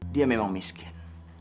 dia memang miskin